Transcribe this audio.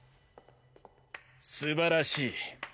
すばらしい。